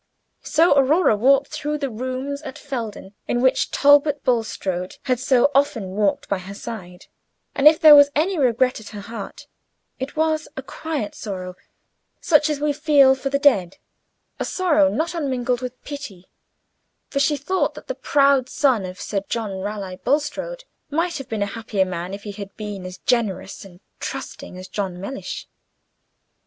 So Aurora walked through the rooms at Felden in which Talbot Bulstrode had so often walked by her side; and, if there was any regret at her heart, it was a quiet sorrow, such as we feel for the dead a sorrow not unmingled with pity, for she thought that the proud son of Sir John Raleigh Bulstrode might have been a happier man if he had been as generous and trusting as John Mellish.